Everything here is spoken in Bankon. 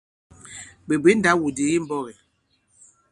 Ɓè bwě ndaw-wudǐk i mbɔ̄k ì ?